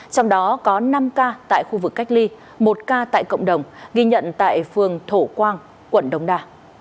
trong đó có năm ca tại khu vực cách ly một ca tại cộng đồng ghi nhận tại phường thổ quang quận đông đa